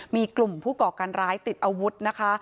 มีกลุ่มผู้ก่อการร้ายติดอาวุธนะคะ